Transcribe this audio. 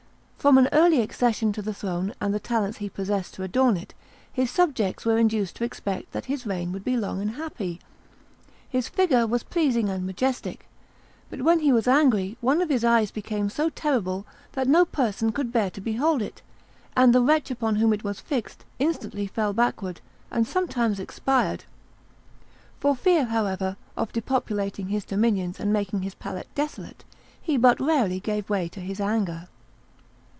From an early accession to the throne, and the talents he possessed to adorn it, his subjects were induced to expect that his reign would be long and happy. His figure was pleasing and majestic; but when he was angry one of his eyes became so terrible that no person could bear to behold it, and the wretch upon whom it was fixed instantly fell backward, and sometimes expired. For fear, however, of depopulating his dominions and making his palace desolate he but rarely gave way to his anger.